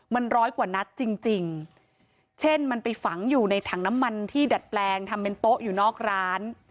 มันร้อยกว่านัดจริงจริงเช่นมันไปฝังอยู่ในถังน้ำมันที่ดัดแปลงทำเป็นโต๊ะอยู่นอกร้าน